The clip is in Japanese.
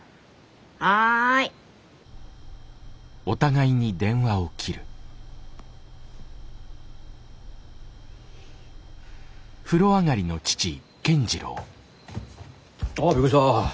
はい。あっびっくりした。